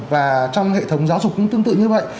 và trong hệ thống giáo dục cũng tương tự như vậy